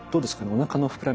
おなかの膨らみとか。